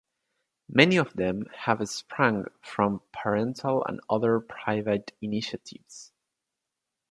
Many of them have sprung from parental or other private initiatives.